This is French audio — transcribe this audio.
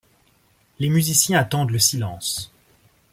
les musiciens attendent le silence